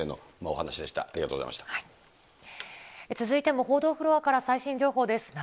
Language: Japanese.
続いても報道フロアから最新情報です。